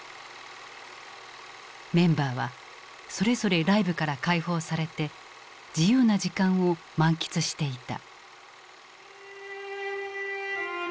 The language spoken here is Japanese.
メンバーはそれぞれライブから解放されて自由な時間を満喫していた。